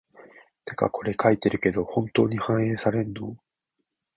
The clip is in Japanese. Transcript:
てかこれ書いてるけど、本当に反映されんの？